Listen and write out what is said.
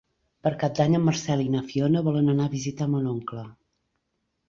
Per Cap d'Any en Marcel i na Fiona volen anar a visitar mon oncle.